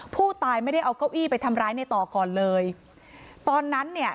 ผู้ตายไม่ได้เอาเก้าอี้ไปทำร้ายในต่อก่อนเลยตอนนั้นเนี่ย